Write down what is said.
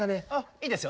いいですよ